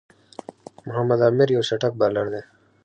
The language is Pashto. محمد عامِر یو چټک بالر دئ.